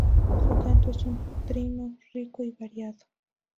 Su canto es un trino rico y variado.